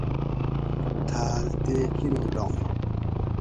تھاۤل تے کِنور لام